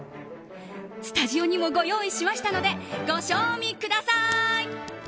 スタジオにもご用意しましたのでご賞味ください！